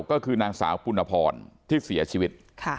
ก็คือนางสาวปุณพรที่เสียชีวิต